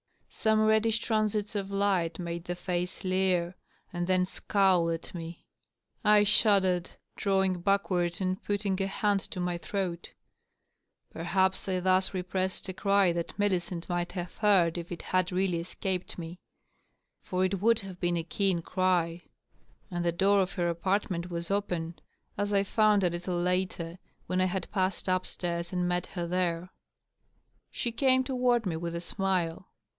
Some reddish transits of light made the face leer and then scowl at me. I shuddered, drawing back ward and putting a hand to my throat. Perhaps I thus repressed a cry that Millicent might have heard if it had really escaped me. For it would have been a keen cry ; and the door of her apartment was open, as I found a little later, when I had passed up stairs and met her there. She came toward me with a smile.